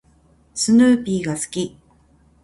スヌーピーが好き。